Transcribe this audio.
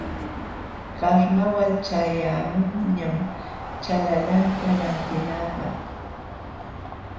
Karnawal ćhayaqmunñam ćhanlalanta lantinapaq.